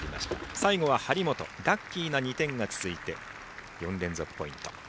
最後は張本ラッキーな２点が続いて４連続ポイント。